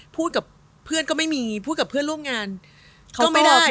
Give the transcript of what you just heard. พูดกับเพื่อนก็ไม่มีพูดกับเพื่อนร่วมงานก็ไม่ได้